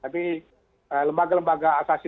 tapi lembaga lembaga asasi